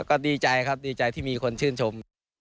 ก็ดีใจครับดีใจที่มีคนชื่นชม